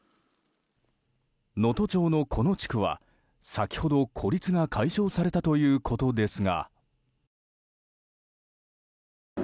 能登町の、この地区は先ほど孤立が解消されたということですが。